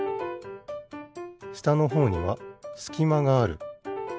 したのほうにはすきまがある。